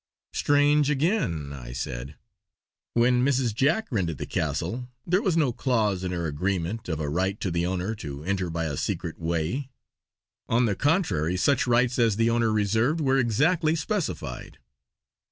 "Strange, again!" I said. "When Mrs. Jack rented the castle, there was no clause in her agreement of a right to the owner to enter by a secret way! On the contrary such rights as the owner reserved were exactly specified."